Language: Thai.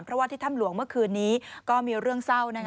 เพราะว่าที่ถ้ำหลวงเมื่อคืนนี้ก็มีเรื่องเศร้า